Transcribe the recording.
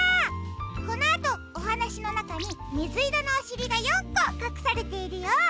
このあとおはなしのなかにみずいろのおしりが４こかくされているよ。